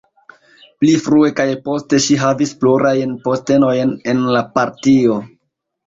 Pli frue kaj poste ŝi havis plurajn postenojn en la partio.